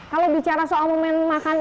kalau bicara soal momen makan